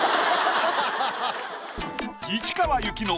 市川由紀乃